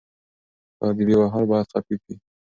تاديبي وهل باید خفيف وي.